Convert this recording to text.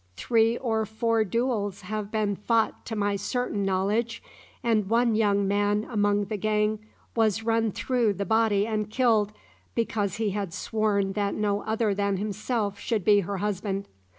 "Three or four duels have been fought to my certain knowledge, and one young man among the gang was run through the body and killed, because he had sworn that no other than himself should be her husband.